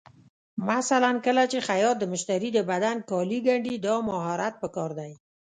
مثلا کله چې خیاط د مشتري د بدن کالي ګنډي، دا مهارت پکار دی.